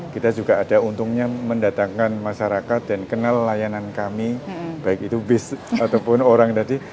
kita juga ada untungnya mendatangkan masyarakat dan kenal layanan kami baik itu bis ataupun orang tadi